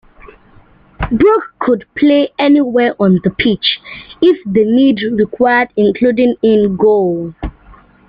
Brook could play anywhere on the pitch if the need required, including in goal.